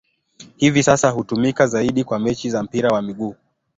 Hivi sasa hutumika zaidi kwa mechi za mpira wa miguu.